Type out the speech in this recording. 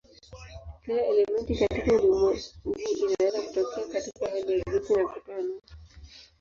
Kila elementi katika ulimwengu inaweza kutokea katika hali ya gesi na kutoa nuru.